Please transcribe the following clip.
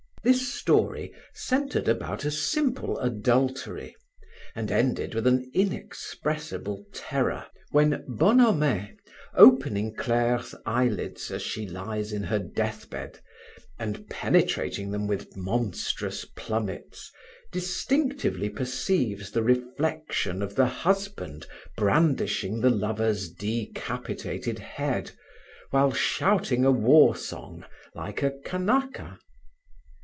This story centered about a simple adultery and ended with an inexpressible terror when Bonhomet, opening Claire's eyelids, as she lies in her death bed, and penetrating them with monstrous plummets, distinctively perceives the reflection of the husband brandishing the lover's decapitated head, while shouting a war song, like a Kanaka.